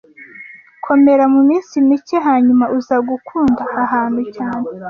Komera muminsi mike hanyuma uza gukunda aha hantu cyane